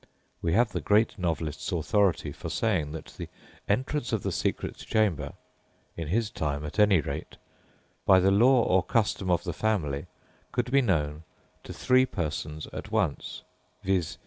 We have the great novelist's authority for saying that the entrance of the secret chamber (in his time, at any rate), by the law or custom of the family, could be known to three persons at once _viz.